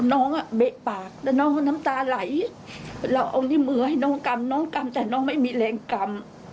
น้องเบะปากน้องน้ำตาไหลเราเอาในมือให้น้องกรรมน้องกรรมแต่น้องไม่มีแรงกรรม